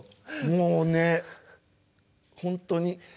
もうね本当に。